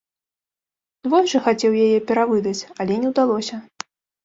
Двойчы хацеў яе перавыдаць, але не ўдалося.